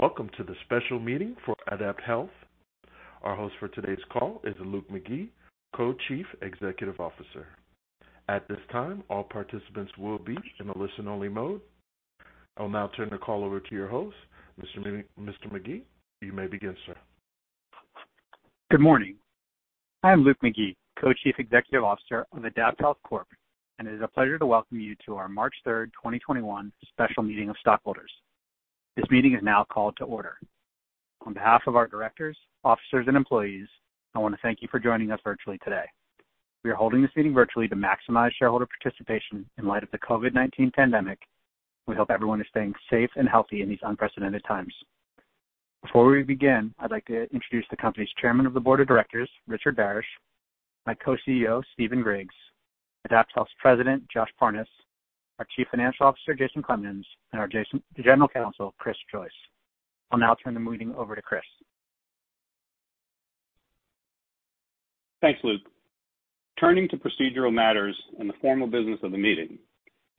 Welcome to the special meeting for AdaptHealth. Our host for today's call is Luke McGee, Co-Chief Executive Officer. At this time, all participants will be in a listen-only mode. I will now turn the call over to your host, Mr. Luke McGee. You may begin, sir. Good morning. I'm Luke McGee, Co-Chief Executive Officer of AdaptHealth Corp., and it is a pleasure to welcome you to our March third, 2021 special meeting of stockholders. This meeting is now called to order. On behalf of our directors, officers, and employees, I want to thank you for joining us virtually today. We are holding this meeting virtually to maximize shareholder participation in light of the COVID-19 pandemic. We hope everyone is staying safe and healthy in these unprecedented times. Before we begin, I'd like to introduce the company's Chairman of the Board of Directors, Richard Barasch, my Co-CEO, Stephen Griggs, AdaptHealth's President, Josh Parnes, our Chief Financial Officer, Jason Clemens, and our General Counsel, Christopher J. Joyce. I'll now turn the meeting over to Chris. Thanks, Luke. Turning to procedural matters and the formal business of the meeting.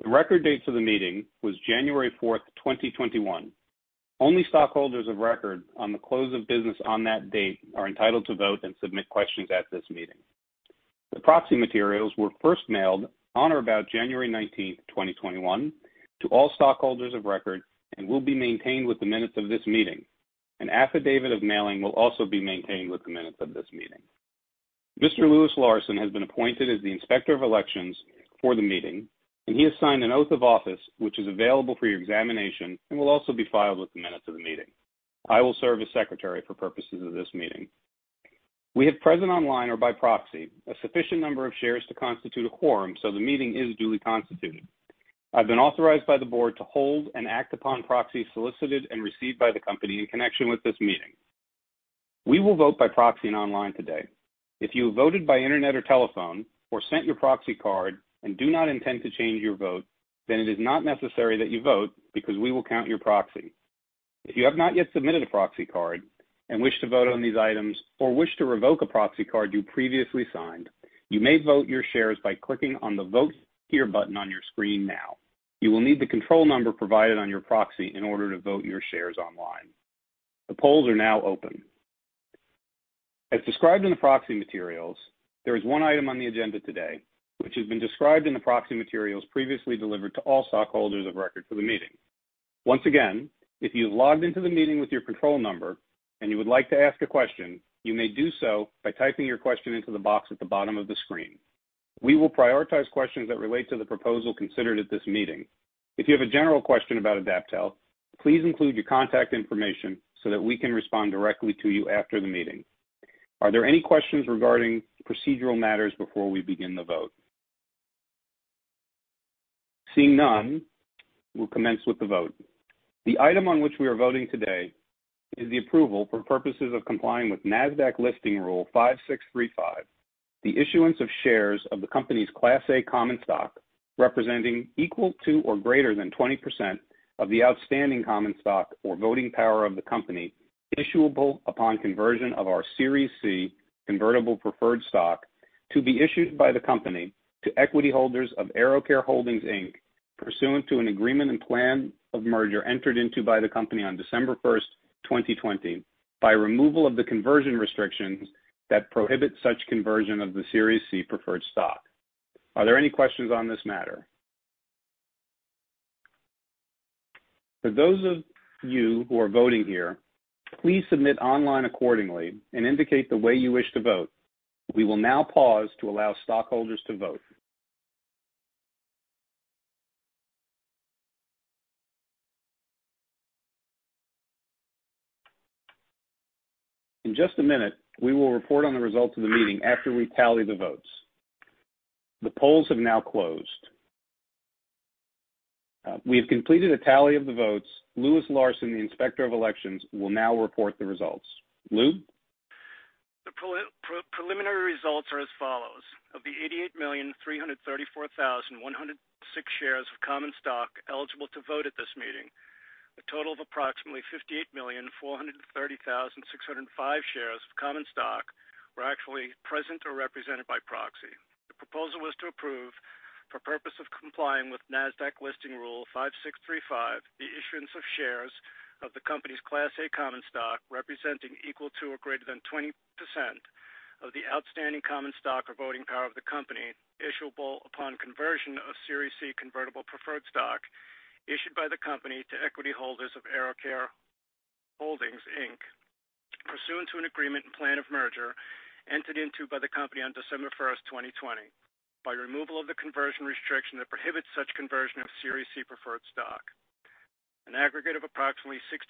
The record dates of the meeting was January fourth, 2021. Only stockholders of record on the close of business on that date are entitled to vote and submit questions at this meeting. The proxy materials were first mailed on or about January 19th, 2021 to all stockholders of record and will be maintained with the minutes of this meeting. An affidavit of mailing will also be maintained with the minutes of this meeting. Mr. Lewis Larson has been appointed as the Inspector of Elections for the meeting, and he has signed an oath of office, which is available for your examination and will also be filed with the minutes of the meeting. I will serve as secretary for purposes of this meeting. We have present online or by proxy a sufficient number of shares to constitute a quorum, so the meeting is duly constituted. I've been authorized by the board to hold and act upon proxies solicited and received by the company in connection with this meeting. We will vote by proxy and online today. If you voted by internet or telephone or sent your proxy card and do not intend to change your vote, then it is not necessary that you vote because we will count your proxy. If you have not yet submitted a proxy card and wish to vote on these items or wish to revoke a proxy card you previously signed, you may vote your shares by clicking on the Vote Here button on your screen now. You will need the control number provided on your proxy in order to vote your shares online. The polls are now open. As described in the proxy materials, there is one item on the agenda today, which has been described in the proxy materials previously delivered to all stockholders of record for the meeting. Once again, if you've logged into the meeting with your control number and you would like to ask a question, you may do so by typing your question into the box at the bottom of the screen. We will prioritize questions that relate to the proposal considered at this meeting. If you have a general question about AdaptHealth, please include your contact information so that we can respond directly to you after the meeting. Are there any questions regarding procedural matters before we begin the vote? Seeing none, we'll commence with the vote. The item on which we are voting today is the approval for purposes of complying with NASDAQ Listing Rule 5635. The issuance of shares of the company's Class A Common Stock representing equal to or greater than 20% of the outstanding common stock or voting power of the company, issuable upon conversion of our Series C Convertible Preferred Stock to be issued by the company to equity holders of AeroCare Holdings, Inc., pursuant to an agreement and plan of merger entered into by the company on December 1st, 2020, by removal of the conversion restrictions that prohibit such conversion of the Series C Preferred Stock. Are there any questions on this matter? For those of you who are voting here, please submit online accordingly and indicate the way you wish to vote. We will now pause to allow stockholders to vote. In just a minute, we will report on the results of the meeting after we tally the votes. The polls have now closed. We have completed a tally of the votes. Lewis Larson, the Inspector of Elections, will now report the results. Lewis? The preliminary results are as follows. Of the 88,334,106 shares of common stock eligible to vote at this meeting, a total of approximately 58,430,605 shares of common stock were actually present or represented by proxy. The proposal was to approve, for purpose of complying with NASDAQ Listing Rule 5635, the issuance of shares of the company's Class A Common Stock representing equal to or greater than 20% of the outstanding common stock or voting power of the company, issuable upon conversion of Series C Convertible Preferred Stock issued by the company to equity holders of AeroCare Holdings, Inc., pursuant to an agreement and plan of merger entered into by the company on December 1st, 2020, by removal of the conversion restriction that prohibits such conversion of Series C Preferred Stock. An aggregate of approximately 66%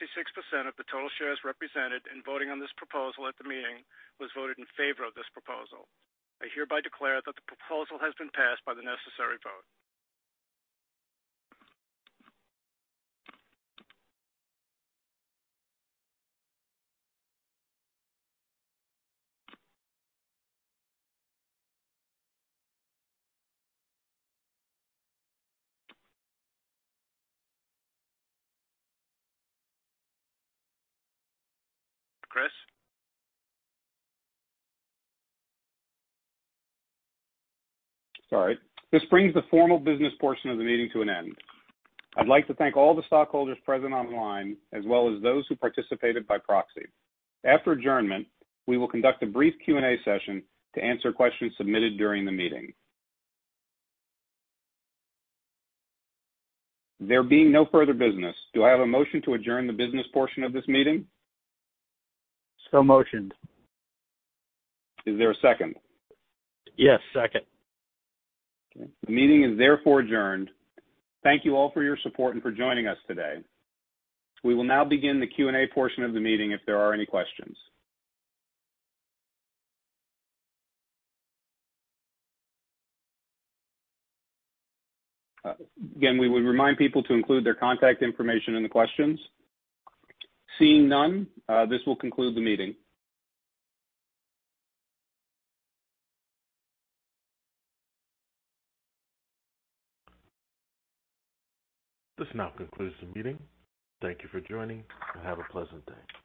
of the total shares represented in voting on this proposal at the meeting was voted in favor of this proposal. I hereby declare that the proposal has been passed by the necessary vote. Sorry. This brings the formal business portion of the meeting to an end. I'd like to thank all the stockholders present online, as well as those who participated by proxy. After adjournment, we will conduct a brief Q&A session to answer questions submitted during the meeting. There being no further business, do I have a motion to adjourn the business portion of this meeting? Motioned. Is there a second? Yes, second. Okay. The meeting is therefore adjourned. Thank you all for your support and for joining us today. We will now begin the Q&A portion of the meeting if there are any questions. Again, we would remind people to include their contact information in the questions. Seeing none, this will conclude the meeting. This now concludes the meeting. Thank you for joining, and have a pleasant day.